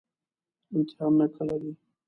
امتحانونه کله دي؟